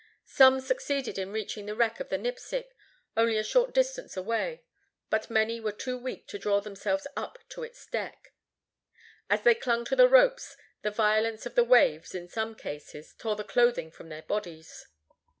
Some succeeded in reaching the wreck of the Nipsic, only a short distance away, but many were too weak to draw themselves up to its deck. As they clung to the ropes, the violence of the waves, in some cases, tore the clothing from their bodies.